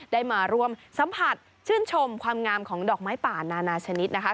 ได้มาร่วมสัมผัสชื่นชมความงามของดอกไม้ป่านานาชนิดนะคะ